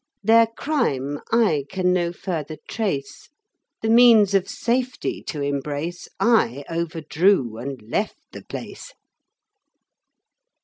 Their crime I can no further trace The means of safety to embrace, I overdrew and left the place.